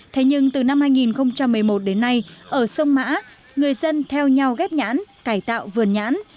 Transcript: thế nhưng từ năm hai nghìn một mươi một đến nay ở sông mã người dân theo nhau ghép nhãn cải tạo vườn nhãn